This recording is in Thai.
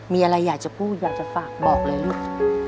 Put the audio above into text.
มีอะไรอยากจะพูดอยากจะฝากบอกเลยลูก